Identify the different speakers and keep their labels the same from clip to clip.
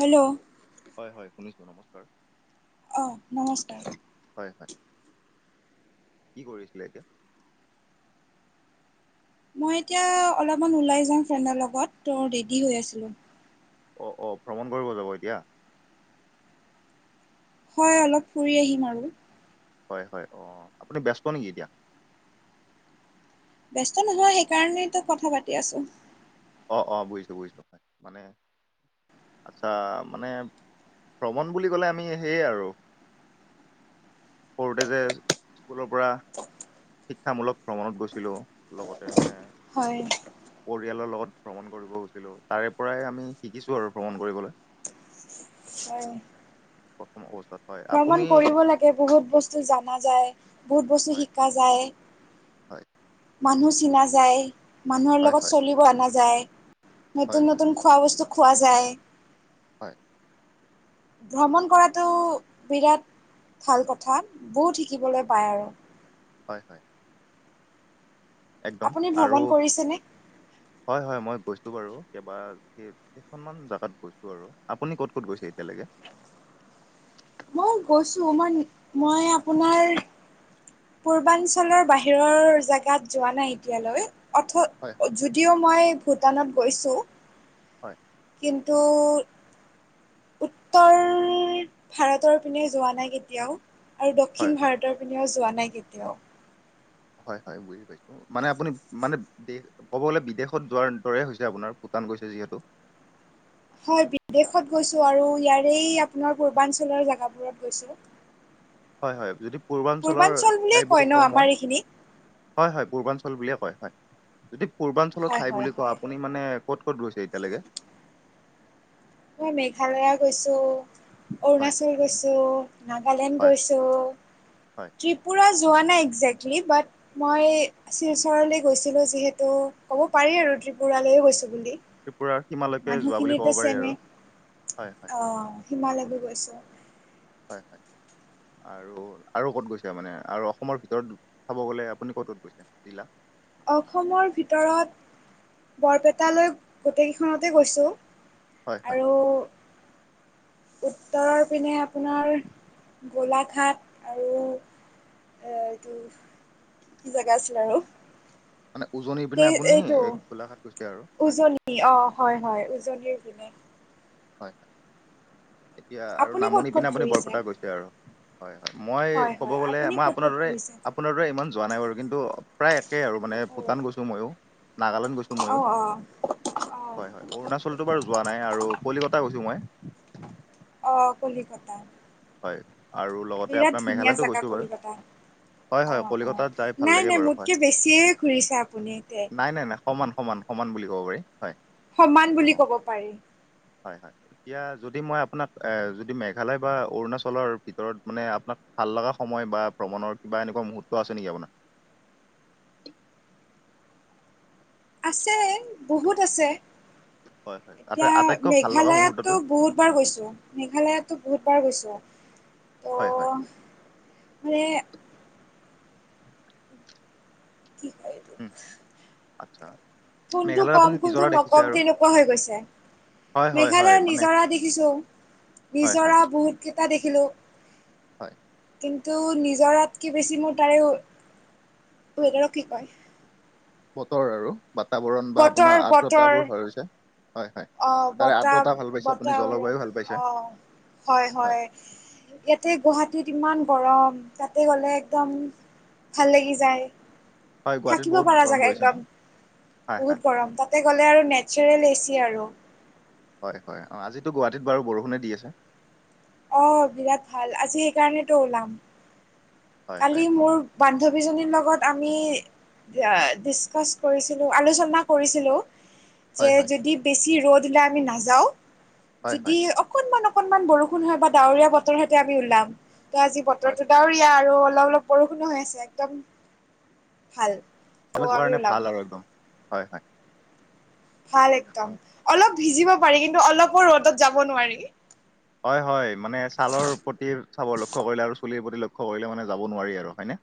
Speaker 1: Hello!
Speaker 2: হয় হয় শুনিছোঁ, নমস্কাৰ।
Speaker 1: অ নমস্কাৰ।
Speaker 2: হয় হয়। কি কৰিছিলা এতিয়া?
Speaker 1: মই এতিয়া অলপমান ওলাই যাম ফ্ৰেণ্ডৰ লগত ত' ৰেডি হৈ আছিলোঁ।
Speaker 2: অ অ ভ্ৰমণ কৰিব যাব এতিয়া?
Speaker 1: হয় অলপ ফুৰি আহিম আৰু।
Speaker 2: হয় হয় অ, আপুনি ব্যস্ত নেকি এতিয়া?
Speaker 1: ব্যস্ত নহয়, সেইকাৰণেতো কথা পাতি আছোঁ।
Speaker 2: অ অ বুজিছোঁ বুজিছোঁ হয়। মানে আচ্ছা মানে ভ্ৰমণ বুলি ক'লে আমি সেয়ে আৰু সৰুতে যে স্কুলৰ পৰা শিক্ষামূলক ভ্ৰমণত গৈছিলোঁ লগতে মানে
Speaker 1: হয়।
Speaker 2: পৰিয়ালৰ লগত ভ্ৰমণ কৰিব গৈছিলোঁ। তাৰে পৰাই আমি শিকিছো আৰু ভ্ৰমণ কৰিবলে।
Speaker 1: হয়।
Speaker 2: প্ৰথম অৱস্থাত হয়। আপুনি
Speaker 1: ভ্ৰমণ কৰিব লাগে বহুত বস্তু জানা যায়, বহুত বস্তু
Speaker 2: হয়
Speaker 1: শিকা যায়।
Speaker 2: হয়
Speaker 1: মানুহ চিনা যায়। মানুহৰ
Speaker 2: হয়
Speaker 1: লগত
Speaker 2: হয়
Speaker 1: চলিব আনা যায়,
Speaker 2: হয়
Speaker 1: নতুন
Speaker 2: হয়
Speaker 1: নতুন খোৱা বস্তু খোৱা যায়,
Speaker 2: হয়।
Speaker 1: ভ্ৰমণ কৰাটো বিৰাট ভাল কথা। বহুত শিকিবলৈ পায় আৰু।
Speaker 2: হয় হয়। একদম।
Speaker 1: আপুনি
Speaker 2: আৰু
Speaker 1: ভ্ৰমণ কৰিছেনে
Speaker 2: হয় হয় মই গৈছোঁ বাৰু কেবা কে কেখনমান জাগাত গৈছোঁ আৰু। আপুনি ক'ত ক'ত গৈছে এতিয়ালৈকে?
Speaker 1: মই গৈছোঁ মই মই আপোনাৰ পূৰ্বাঞ্চলৰ বাহিৰৰ জেগাত যোৱা নাই এতিয়ালৈ, অথ
Speaker 2: হয় হয়।
Speaker 1: যদিও মই ভূটানত গৈছোঁ
Speaker 2: হয়।
Speaker 1: কিন্তু উত্তৰ ভাৰতৰ পিনে যোৱা নাই কেতিয়াও। আৰু
Speaker 2: হয়,
Speaker 1: দক্ষিণ
Speaker 2: হয়,
Speaker 1: ভাৰতৰ পিনেও যোৱা নাই কেতিয়াও।
Speaker 2: হয় হয় বুজি পাইছোঁ। মানে আপুনি মানে দেশ ক'ব গ'লে বিদেশত যোৱাৰ দৰে হৈছে আপোনাৰ ভূটান গৈছে যিহেতু।
Speaker 1: হয় বিদেশত গৈছো আৰু ইয়াৰে আপোনাৰ পূৰ্বাঞ্চলৰ জেগাবোৰত গৈছো।
Speaker 2: হয় হয় যদি পূৰ্বাঞ্চলৰ
Speaker 1: পূৰ্বাঞ্চল বুলিয়ে কয়
Speaker 2: ঠাইবোৰ
Speaker 1: ন
Speaker 2: কওঁ
Speaker 1: আমাৰ
Speaker 2: মই
Speaker 1: এইখিনি
Speaker 2: হয় হয় পূৰ্বাঞ্চল বুলিয়ে কয় হয়। যদি পূৰ্বাঞ্চলত
Speaker 1: হয়
Speaker 2: ঠাই
Speaker 1: হয়
Speaker 2: বুলি কোৱা
Speaker 1: হয়
Speaker 2: আপুনি মানে ক'ত ক'ত গৈছে এতিয়ালৈকে?
Speaker 1: মই মেঘালয়া গৈছো,
Speaker 2: হয়।
Speaker 1: অৰুণাচল গৈছোঁ, নাগালেণ্ড
Speaker 2: হয়,
Speaker 1: গৈছোঁ,
Speaker 2: হয়,
Speaker 1: ত্ৰিপুৰা যোৱা নাই একজেক্লি বাট মই শিলচৰলৈ গৈছিলোঁ যিহেতু ক'ব পাৰি আৰু ত্ৰিপুৰালৈও গৈছোঁ বুলি।
Speaker 2: ত্ৰিপুৰাৰ সীমালৈ
Speaker 1: মানুহখিনিতো চেমে।
Speaker 2: হয়, হয়,
Speaker 1: অ' সীমালৈকে গৈছোঁ।
Speaker 2: হয় হয়। আৰু আৰু ক'ত গৈছে? মানে আৰু অসমৰ ভিতৰত চাব গ'লে আপুনি ক'ত ক'ত গৈছে জিলা?
Speaker 1: অসমৰ ভিতৰত বৰপেটালৈ, গোটেইকেইখনতে গৈছোঁ।
Speaker 2: হয়, হয়।
Speaker 1: আৰু উত্তৰৰ পিনে আপোনাৰ গোলাঘাট আৰু এটো কি জেগা আছিল আৰু?
Speaker 2: মানে উজনিৰ পিনে আপুনি
Speaker 1: এইটো
Speaker 2: এ, গোলাঘাট গৈছে আৰু। হয়
Speaker 1: উজনি অ' হয় হয়, উজনিৰ পিনে।
Speaker 2: হয়। এতিয়া আৰু
Speaker 1: আপুনি ক'ত
Speaker 2: নামনি
Speaker 1: ক'ত
Speaker 2: পিনে আপুনি
Speaker 1: ঘূৰিছে
Speaker 2: বৰপেটা গৈ দে আৰু। হয় হয়, মই
Speaker 1: হয়
Speaker 2: ক'ব
Speaker 1: হয়
Speaker 2: গ'লে
Speaker 1: আপুনি
Speaker 2: মই
Speaker 1: ক'ত ক'ত
Speaker 2: আপোনাৰ দৰে
Speaker 1: ঘূৰিছে
Speaker 2: আপোনাৰ দৰে ইমান যোৱা নাই বাৰু কিন্তু প্ৰায় একেই আৰু মানে
Speaker 1: অ
Speaker 2: ভূটান গৈছোঁ ময়ো, নাগালেণ্ড গৈছোঁ
Speaker 1: অ
Speaker 2: ময়ো।
Speaker 1: অ
Speaker 2: হয় হয়, অৰুণাচলটো বাৰু যোৱা নাই আৰু কলিকতা গৈছোঁ মই।
Speaker 1: অ' কলিকতা।
Speaker 2: হয় আৰু লগতে
Speaker 1: বিৰাট
Speaker 2: আপোনাৰ
Speaker 1: ধুনীয়া
Speaker 2: মেঘালয়তো
Speaker 1: জেগা
Speaker 2: গৈছোঁ বাৰু।
Speaker 1: কলিকতা
Speaker 2: হয়
Speaker 1: অ
Speaker 2: হয়,
Speaker 1: অ
Speaker 2: কলিকতাত যাই ভাল
Speaker 1: নাই
Speaker 2: লাগে
Speaker 1: নাই
Speaker 2: বাৰু হয়।
Speaker 1: মোতকে বেছিয়ে ঘূৰিছে আপুনি তে
Speaker 2: নাই নাই নাই। সমান সমান, সমান বুলি ক'ব পাৰি হয়।
Speaker 1: সমান
Speaker 2: অ
Speaker 1: বুলি ক'ব পাৰি।
Speaker 2: হয় হয়, এতিয়া যদি মই আপোনাক যদি মেঘালয় বা অৰুণাচলৰ ভিতৰত মানে আপোনাক ভাল লগা সময় বা ভ্ৰমণৰ কিবা এনেকুৱা মুহূৰ্ত আছে নেকি আপোনাৰ?
Speaker 1: আছে, বহুত আছে।
Speaker 2: হয় হয় আটাই
Speaker 1: এতিয়া
Speaker 2: আটাইতকৈ ভাল লগা
Speaker 1: মেঘালয়ততো
Speaker 2: মুহূৰ্তটো
Speaker 1: বহুত বাৰ গৈছোঁ। মেঘালয়তো বহুতবাৰ গৈছোঁ ত'
Speaker 2: হয় হয়
Speaker 1: মানে ঠিক
Speaker 2: উম আচ্ছা।
Speaker 1: কোনটো
Speaker 2: মেঘালয়ত আপুনি
Speaker 1: ক'ম
Speaker 2: নিজৰা
Speaker 1: কোনটো
Speaker 2: দেখিছে
Speaker 1: নক'ম
Speaker 2: আৰু
Speaker 1: তেনেকুৱা হৈ গৈছে।
Speaker 2: হয় হয় হয়
Speaker 1: মেঘালয়ত
Speaker 2: মানে
Speaker 1: নিজৰা দেখিছোঁ,
Speaker 2: হয় হয়
Speaker 1: নিজৰা বহুতকেইটা দেখিলোঁ।
Speaker 2: হয়।
Speaker 1: কিন্তু নিজৰাতকে বেছি মোৰ তাৰে, ৱেডাৰক কি কয়?
Speaker 2: বতৰ আৰু, বাতাবৰণ বা
Speaker 1: বতৰ
Speaker 2: আপোনাৰ
Speaker 1: বতৰ
Speaker 2: আৰ্দ্ৰতাবোৰ হৈ হৈছে। হয় হয়
Speaker 1: অ'
Speaker 2: তাৰে আৰ্দ্ৰতা
Speaker 1: বতাহ,
Speaker 2: ভাল পাইছে আপুনি
Speaker 1: বতাৰ
Speaker 2: জলবায়ু ভাল পাইছে
Speaker 1: অ' হয় হয়। ইয়াতে গুৱাহাটীত ইমান গৰম, তাতে গ'লে একদম ভাল লাগি যায়,
Speaker 2: হয় গুৱাহাটীত
Speaker 1: থাকিব
Speaker 2: বহুত
Speaker 1: পাৰা
Speaker 2: গৰম
Speaker 1: জাগা
Speaker 2: পৰিছে ন
Speaker 1: একদম।
Speaker 2: হয় হয়
Speaker 1: বহুত গৰম, তাতে গ'লে আৰু নেচাৰেল এচি আৰু।
Speaker 2: হয় হয়, অ', আজিতো গুৱাহাটীত বাৰু বৰষুণে দি আছে।
Speaker 1: অ', বিৰাট ভাল, আজি সেইকাৰণেতো ওলাম।
Speaker 2: হয় হয়
Speaker 1: কালি
Speaker 2: অ
Speaker 1: মোৰ বান্ধৱীজনীৰ লগত আমি ডিচকাচ কৰিছিলোঁ, আলোচনা কৰিছিলোঁ। যে
Speaker 2: হয় হয়
Speaker 1: যদি বেছি ৰ'দ ওলাই আমি নাযাওঁ
Speaker 2: হয় হয়
Speaker 1: যদি অকনমান অকনমান বৰষুণ হয় বা ডাৱৰীয়া বতৰ হয় তে আমি ওলাম, ত' আজি
Speaker 2: হয়
Speaker 1: বতৰটো ডাৱৰীয়া আৰু অলপ অলপ বৰষুণো হৈ আছে একদম ভাল
Speaker 2: কলেজ
Speaker 1: ত'
Speaker 2: যোৱাৰ
Speaker 1: আমি
Speaker 2: কাৰণে
Speaker 1: ওলাম
Speaker 2: ভাল আৰু একদম হয় হয়
Speaker 1: ভাল একদম
Speaker 2: হয়
Speaker 1: অলপ ভিজিব
Speaker 2: হয়।
Speaker 1: পাৰি কিন্তু অলপো ৰ'দত যাব নোৱাৰি
Speaker 2: হয় হয় মানে ছালৰ প্ৰতি চাব লক্ষ্য কৰিলে আৰু চুলিৰ প্ৰতি লক্ষ্য কৰিলে মানে যাব নোৱাৰি আৰু হয়নে।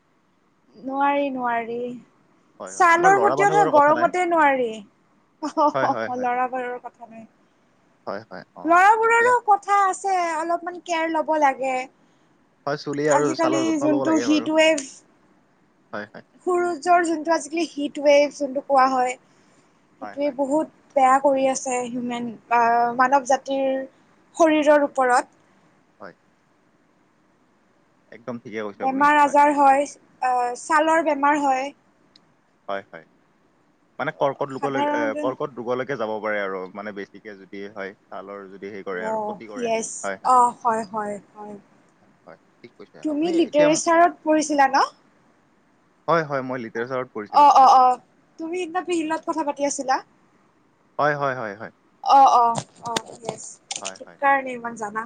Speaker 1: নোৱাৰি নোৱাৰি।
Speaker 2: হয় হয় আমাৰ
Speaker 1: ছালৰ
Speaker 2: ল'ৰা
Speaker 1: প্ৰতিও
Speaker 2: মানুহ বাৰু
Speaker 1: ধৰ
Speaker 2: কথা নাই
Speaker 1: গৰমতে নোৱাৰি।
Speaker 2: হয় হয়
Speaker 1: অ
Speaker 2: হয়
Speaker 1: ল'ৰা বাৰৰ কথা নাই
Speaker 2: হয় হয় অ এতিয়া
Speaker 1: ল'ৰাবোৰৰো কথা আছে অলপমান কেয়াৰ লব লাগে
Speaker 2: হয় চুলি আৰু
Speaker 1: আজিকালি
Speaker 2: ছালৰ যত্ন ল'ব
Speaker 1: যোনটো
Speaker 2: লাগে
Speaker 1: হিট
Speaker 2: বাৰু হয় হয়
Speaker 1: সূৰুজৰ যোনটো আজিকালি হিটৱেভ যোনটো কোৱা হয়
Speaker 2: হয়
Speaker 1: সেইটোৱে
Speaker 2: হয়
Speaker 1: বহুত বেয়া কৰি আছে হিউমেন বা মানৱ জাতিৰ শৰীৰৰ ওপৰত।
Speaker 2: হয়। একদম ঠিকে কৈ
Speaker 1: বেমাৰ আজাৰ হয় আহ ছালৰ বেমাৰ হয়।
Speaker 2: হয় হয় মানে কৰ্কট লোকলৈ এ
Speaker 1: সাধাৰণতে
Speaker 2: কৰ্কট ৰোগলৈকে যাব পাৰে আৰু মানে বেছিকে যদি হয়। ছালৰ যদি সেই কৰে
Speaker 1: অ
Speaker 2: আৰু ক্ষতি কৰে
Speaker 1: য়েছ
Speaker 2: হয় হয়
Speaker 1: অ হয় হয়
Speaker 2: হয় ঠিক কৈছে
Speaker 1: তুমি
Speaker 2: আপুনি এতিয়া
Speaker 1: লিটাৰেচাৰত পঢ়িছিলা ন
Speaker 2: হয় হয় মই লিটাৰচাৰত
Speaker 1: অ অ অ তুমি সেইদিনা টিভি লগত কথা পাতি আছিলা।
Speaker 2: হয় হয় হয় হয়।
Speaker 1: অ অ অ য়েচ
Speaker 2: হয় হয়
Speaker 1: সেইকাৰণে ইমান জানা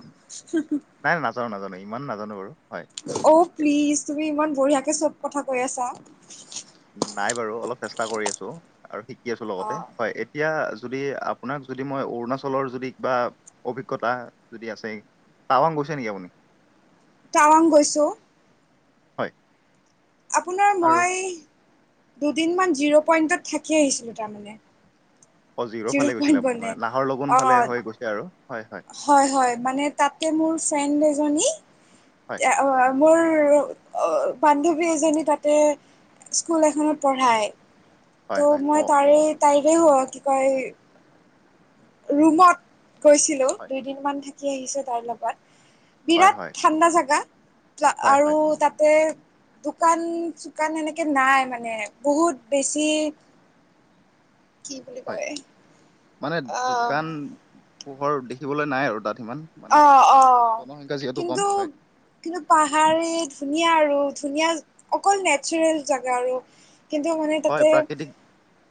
Speaker 1: হু হু
Speaker 2: নাই নাজানো নাজানো ইমান নাজানো বাৰু হয়
Speaker 1: অ'
Speaker 2: এ-
Speaker 1: প্লিজ তুমি ইমান বঢ়িয়াকে চব কথা কৈ আছা
Speaker 2: নাই বাৰু অলপ চেষ্টা কৰি আছো আৰু শিকি আছো
Speaker 1: অ
Speaker 2: লগতে হয় এই এতিয়া যদি আপোনাক যদি মই অৰুণাচলৰ যদি কিবা অভিজ্ঞতা যদি আছে টাৱাং গৈছে নেকি আপুনি?
Speaker 1: টাৱাং গৈছো
Speaker 2: হয়
Speaker 1: আপোনাৰ
Speaker 2: আৰু
Speaker 1: মই দুদিনমান জিৰ' পইণ্টত থাকি আহিছিলো তাৰমানে।
Speaker 2: অ জিৰৰ
Speaker 1: জিৰ'
Speaker 2: ফালে
Speaker 1: পইন্ট
Speaker 2: গৈছিলে আপুনি
Speaker 1: গ'লে
Speaker 2: মানে নাহৰ লগন
Speaker 1: অ
Speaker 2: ফালে হৈ গৈছে আৰু হয় হয়
Speaker 1: হয় হয় মানে তাতে মোৰ ফ্ৰেণ্ড এজনী
Speaker 2: হয়
Speaker 1: এতিয়া অ মোৰ বান্ধৱী এজনী তাতে স্কুল এখনত পঢ়ায়
Speaker 2: হয়
Speaker 1: ত'
Speaker 2: হয়
Speaker 1: মই
Speaker 2: অ অ
Speaker 1: তাৰে তাইৰে হ কি কয় ৰুমত গৈছিলো
Speaker 2: হয়
Speaker 1: দুইদিনমান থাকি আহিছো তাই লগত।
Speaker 2: হয়
Speaker 1: বিৰাট
Speaker 2: হয়
Speaker 1: ঠাণ্ডা জেগা
Speaker 2: হয়
Speaker 1: আৰু
Speaker 2: হয়
Speaker 1: তাতে দোকান চোকান এনেকে নাই মানে বহুত বেছি কি বুলি কও
Speaker 2: হয়
Speaker 1: এ
Speaker 2: মানে দোকান পোহৰ দেখিবলৈ নাই আৰু তাত ইমান। মানে
Speaker 1: অ', অ',
Speaker 2: জনসংখ্যা যিহেতু
Speaker 1: কিন্তু
Speaker 2: কম হয়।
Speaker 1: কিন্তু পাহাৰেই ধুনীয়া আৰু ধুনীয়া অকল নেচাৰেল জেগা আৰু কিন্তু মানে
Speaker 2: হয়
Speaker 1: তাতে
Speaker 2: প্ৰাকৃতিক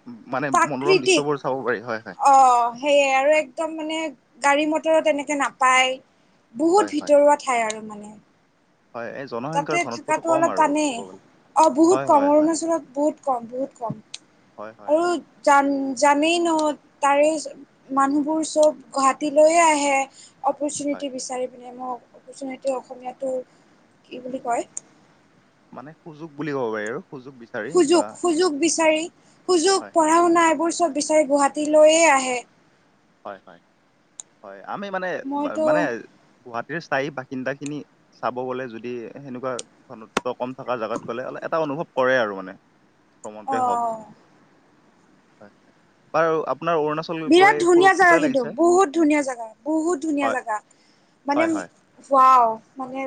Speaker 2: উম, মানে মনোৰম
Speaker 1: প্ৰাকৃতিক
Speaker 2: দৃশ্যবোৰ চাব পাৰি হয় হয়
Speaker 1: অ সেয়ে আৰু
Speaker 2: হয়
Speaker 1: একদম মানে গাড়ী মটৰো তেনেকে নাপায়
Speaker 2: হয়
Speaker 1: বহুত
Speaker 2: হয়
Speaker 1: ভিতৰুৱা ঠাই আৰু মানে
Speaker 2: হয়, এই
Speaker 1: তাতে
Speaker 2: জনসংখ্যাৰ ঘনত্বতো
Speaker 1: থকাটো
Speaker 2: কম
Speaker 1: অলপ
Speaker 2: আৰু
Speaker 1: টানেই।
Speaker 2: ক'ব, গ'লে।
Speaker 1: অ, বহুত
Speaker 2: হয়
Speaker 1: কম
Speaker 2: হয় হয়
Speaker 1: অৰুণাচলত বহুত কম, বহুত কম।
Speaker 2: হয়, হয়।
Speaker 1: আৰু জান, জানেই ন, তাৰে মানুহবোৰ চব, গুৱাহাটীলৈয়ে আহে।
Speaker 2: হয়
Speaker 1: অপৰচুনিটি বিচাৰি পিনে মই, অপৰচুনিটি অসমীয়াটোৰ কি বুলি কয়?
Speaker 2: মানে সুযোগ বুলি ক'ব পাৰি আৰু সুযোগ বি
Speaker 1: সুযোগ, সুযোগ বিচাৰি সুযোগ
Speaker 2: হয়
Speaker 1: পঢ়া শুনা এইবোৰ চব, বিচাৰি গুৱাহাটীলৈয়ে আহে।
Speaker 2: হয়, হয়, হয়, আমি মানে
Speaker 1: মইতো
Speaker 2: মানে গুৱাহাটীৰ স্থায়ী বাসিন্দা, খিনি চাব গ'লে যদি সেনেকুৱা ঘনত্ব কম থকা জেগাত গ'লে, এটা অনুভৱ কৰে আৰু মানে।
Speaker 1: অ
Speaker 2: ভ্ৰমণতে হওঁক হয়, হয়, বাৰু আপোনাৰ অৰুণাচ
Speaker 1: বিৰাট ধুনীয়া জেগা কিন্তু, বহুত ধুনীয়া জেগা, বহুত ধুনীয়া
Speaker 2: হয়
Speaker 1: জেগা, মানে
Speaker 2: হয় হয়
Speaker 1: ৱাও, মানে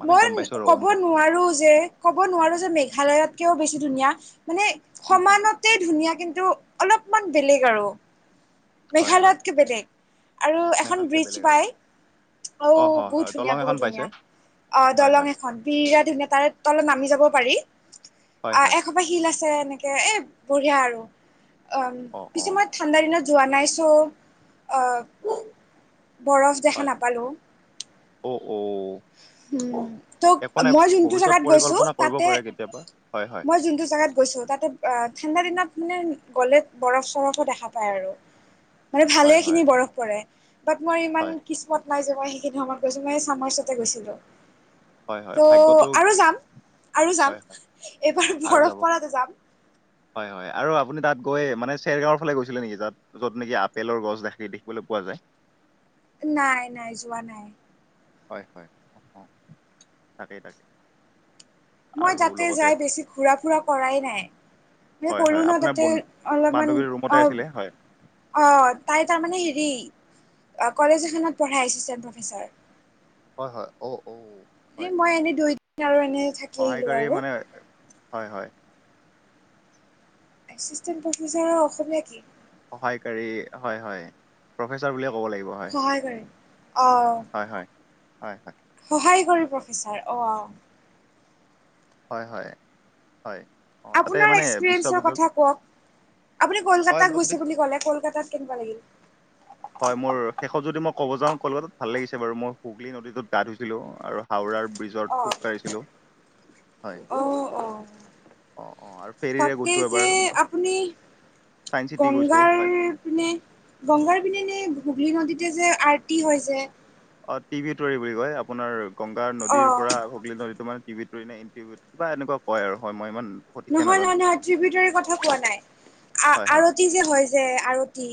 Speaker 2: মানে গম
Speaker 1: মই
Speaker 2: পাইছো আৰু
Speaker 1: ক'ব
Speaker 2: অনুভৱটো
Speaker 1: নোৱাৰো যে ক'ব নোৱাৰোঁ যে, মেঘালয়ত কৈও বেছি ধুনীয়া মানে
Speaker 2: উম উম
Speaker 1: সমানত তেই, ধুনীয়া কিন্তু, অলপমান বেলেগ আৰু
Speaker 2: হয় হয়
Speaker 1: মেঘালয়তকৈ বেলেগ আৰু এখন
Speaker 2: মেঘালয়তকে
Speaker 1: ব্ৰীজ
Speaker 2: বেলেগ আৰু
Speaker 1: পায়। আৰু
Speaker 2: অ হয়
Speaker 1: বহুত
Speaker 2: হয়
Speaker 1: ধুনীয়া,
Speaker 2: দলং
Speaker 1: বহুত
Speaker 2: এখন পাইছে
Speaker 1: ধুনীয়া, অ,
Speaker 2: হয়
Speaker 1: দলং
Speaker 2: হয়
Speaker 1: এখন বিৰাট ধুনীয়া তাৰে তলত নামি যাবও পাৰি,
Speaker 2: হয়
Speaker 1: আহ,
Speaker 2: হয়
Speaker 1: এ শিল আছে এনেকে, এ, বঢ়িয়া আৰু অম,
Speaker 2: অ অ
Speaker 1: কিছুমান ঠাণ্ডা দিনত যোৱা নাই, চ, বৰফ দেখা
Speaker 2: হয়
Speaker 1: নাপালোঁ।
Speaker 2: অ, অ,
Speaker 1: উম
Speaker 2: একো
Speaker 1: ত'
Speaker 2: নাই,
Speaker 1: মই যোনটো
Speaker 2: ভৱিষ্যত
Speaker 1: জেগাত গৈছো
Speaker 2: পৰিকল্পনা কৰিব
Speaker 1: তাতে
Speaker 2: পাৰে কেতিয়াবা। হয়, হয়।
Speaker 1: মই যোনটো জেগাত গৈছোঁ তাতে আ, ঠাণ্ডা দিনত মানে গ'লে বৰফ-চৰফো দেখা পায় আৰু। মানে ভালে
Speaker 2: হয় হয়
Speaker 1: খিনি বৰফ পৰে। বাট মই ইমান
Speaker 2: হয়
Speaker 1: কিসমত নাই, যে মই সেইখিনি সময়ত গৈছো মই মানে চামাৰ্চতে গৈছিলো।
Speaker 2: হয় হয়
Speaker 1: ত,
Speaker 2: ভাগ্যটো
Speaker 1: আৰু যাম আৰু যাম
Speaker 2: হয় হয়
Speaker 1: এইবাৰ
Speaker 2: আৰু
Speaker 1: বৰফ
Speaker 2: যাব
Speaker 1: পৰাতে যাম।
Speaker 2: হয়, হয় আৰু আপুনি তাত গৈ মানে চেৰগাঁৱৰ ফালে গৈছিলে নেকি তাত? য'ত নেকি আপেলৰ গছ, সেই দেখিবলৈ পোৱা যায়।
Speaker 1: নাই, নাই, যোৱা নাই।
Speaker 2: হয়, হয়, অহ, তাকেই তাকে।
Speaker 1: মই তাতে যাই বেছি ঘূৰা-ফূৰা কৰাই নাই। এ,
Speaker 2: হয়
Speaker 1: ক'লো
Speaker 2: হয়
Speaker 1: ন,
Speaker 2: আপোনাৰ
Speaker 1: তাতে
Speaker 2: বন
Speaker 1: অলপমান
Speaker 2: বান্ধৱীৰ ৰুমতে
Speaker 1: অ,
Speaker 2: আছিলে হয়
Speaker 1: অ, তাই তাৰমানে হেৰি, কলেজ এখনত পঢ়াই এচিষ্টেণ্ট প্ৰফেচাৰ।
Speaker 2: হয়, হয়, অ, অ,
Speaker 1: এ,
Speaker 2: হয়
Speaker 1: মই এনে, দুই দিন আৰু এনে থাকি আহিলো
Speaker 2: সহায়কাৰী
Speaker 1: আৰু
Speaker 2: মানে, হয়, হয়।
Speaker 1: এচিষ্টেণ্ট প্ৰফেচাৰৰ অসমীয়া কি?
Speaker 2: সহায়কাৰী হয়, হয় প্ৰফেচাৰ বুলিয়ে ক'ব লাগিব। হয়
Speaker 1: সহায়কাৰী অ,
Speaker 2: হয়, হয়। হয়, হয়
Speaker 1: সহায় কৰিব প্ৰফেচাৰ অহ,
Speaker 2: হয়, হয়, হয়। অ' তাতে
Speaker 1: আপোনাৰ
Speaker 2: মানে
Speaker 1: এক্সপিৰিয়েঞ্চৰ
Speaker 2: বিশ্ববিদ্যালয়
Speaker 1: কথা কওঁক, আপুনি
Speaker 2: হয় মই
Speaker 1: কলকাতাত
Speaker 2: যদি
Speaker 1: গৈছে বুলি ক'লে কলকাতাত কেনেকুৱা লাগিল?
Speaker 2: হয়, মোৰ শেষত যদি মই ক'ব যাওঁ কলকাতাত ভাল লাগিছে বাৰু মই শুগলী নদীটোত গা ধুইছিলো আৰু হাওৰাৰ ব্ৰীজত খোজ
Speaker 1: অ',
Speaker 2: কাঢ়িছিলোঁ হয়।
Speaker 1: অ', অ',
Speaker 2: অ', অ', আৰু ফেৰীৰে
Speaker 1: তাতে
Speaker 2: গৈছোঁ
Speaker 1: যে
Speaker 2: এবাৰ।
Speaker 1: আপুনি
Speaker 2: চাইন্স চিটি গৈছোঁ
Speaker 1: গংগাৰ
Speaker 2: হয়।
Speaker 1: পিনে গংগাৰ পিনেনে, হুগলী নদীতে যে আৰটি হয় যে।
Speaker 2: অ', টি বি তৰি বুলি কয়। আপোনাৰ গংগা নদীৰ পৰা
Speaker 1: অ',
Speaker 2: হুগলী নদীত মানে টি তৰি নে কিবা এনেকুৱা কয় আৰু হয় মই ইমান সঠিককে
Speaker 1: নহয়
Speaker 2: নাজানো
Speaker 1: নহয় নহয়, ত্ৰি ভি টৰি কথা কোৱা নাই।
Speaker 2: হয় হয়
Speaker 1: আৰতি যে হয় যে, আৰতি।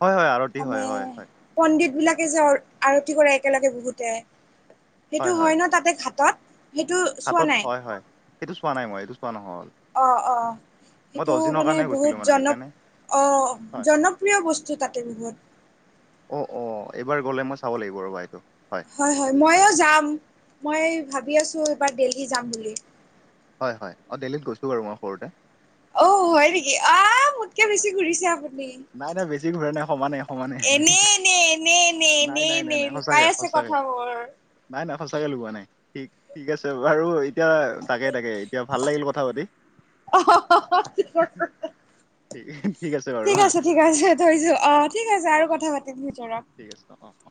Speaker 2: হয় হয়, আৰতি
Speaker 1: মানে
Speaker 2: হয় হয় হয়।
Speaker 1: পণ্ডিত বিলাকে যে আৰতি কৰে একেলগে বহুতে। সেইটো হয় ন, তাতে ঘাটত। সেইটো চোৱা
Speaker 2: ঘাতত
Speaker 1: নাই
Speaker 2: হয় হয়, সেইটো চোৱা নাই মই। এইটো চোৱা নহ'ল।
Speaker 1: অ', অ'।
Speaker 2: মই
Speaker 1: সেইটো
Speaker 2: দহ দিনৰ
Speaker 1: মানে
Speaker 2: কাৰণে গৈছিলো
Speaker 1: বহুত
Speaker 2: মানে
Speaker 1: জন,
Speaker 2: সেইকাৰণে হয়
Speaker 1: জনপ্ৰিয় বস্তু তাতে বহুত।
Speaker 2: অ', অ', এইবাৰ গ'লে মই চাব লাগিব ৰ'বা এইটোক।
Speaker 1: হয় হয়, মইয়ো যাম। মইয়ো ভাবি আছোঁ, এইবাৰ দিল্লী যাম বুলি।
Speaker 2: হয় হয়, অ', দিল্লী গৈছোঁ বাৰু মই সৰুতে।
Speaker 1: অ', হয় নেকি? অ'। কিয়
Speaker 2: হয়
Speaker 1: বেছি
Speaker 2: হয়।
Speaker 1: ঘূৰিছে আপুনি,
Speaker 2: নাই নাই বেছি ঘূৰা নাই সমানে সমানে
Speaker 1: এনেই এনেই। এনেই এনেই,
Speaker 2: নাই
Speaker 1: এনেই
Speaker 2: নাই নাই
Speaker 1: এনেই
Speaker 2: নাই
Speaker 1: লুকাই
Speaker 2: সঁচাকে
Speaker 1: আছে
Speaker 2: সঁচাকে।
Speaker 1: কথাবোৰ।
Speaker 2: নাই নাই সঁচাকে লুকুৱা নাই, ঠিক ঠিক আছে বাৰু এই এতিয়া তাকে তাকে, এতিয়া ভাল লাগিল কথা পাতি। ঠিক বাৰু
Speaker 1: ঠিক
Speaker 2: হা।
Speaker 1: আছে, ঠিক আছে। থৈছোঁ অ', ঠিক আছে
Speaker 2: অ
Speaker 1: আৰু
Speaker 2: অ।
Speaker 1: কথা পাতিম ভিতৰত।
Speaker 2: ঠিক আছে অ'অ' অ'।